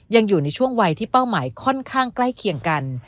ยังอยู่ในช่วงวัยที่เป้าหมายค่อนข้างใกล้เคียงกัน